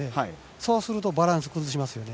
そうするとバランスを崩しますよね。